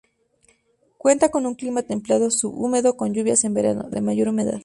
Cuenta con un clima templado subhúmedo con lluvias en verano, de mayor humedad.